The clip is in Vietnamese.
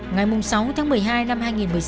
ngày sáu tháng một mươi hai năm hai nghìn một mươi sáu